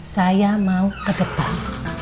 saya mau ke depan